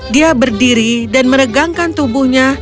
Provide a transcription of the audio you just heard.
dia berdiri dan meregangkan tubuhnya